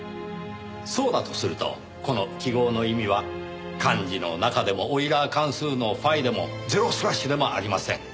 そうだとするとこの記号の意味は漢字の「中」でもオイラー関数のφでもゼロスラッシュでもありません。